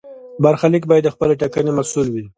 برخلیک باید د خپلې ټاکنې محصول وي.